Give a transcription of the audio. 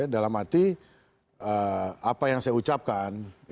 dalam arti apa yang saya ucapkan